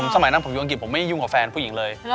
สมัยนั้นผมอยู่อังกฤษผมไม่ยุ่งกับแฟนผู้หญิงเลย